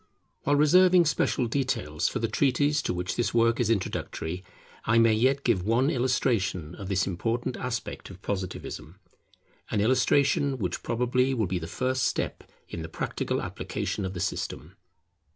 While reserving special details for the treatise to which this work is introductory, I may yet give one illustration of this important aspect of Positivism; an illustration which probably will be the first step in the practical application of the system.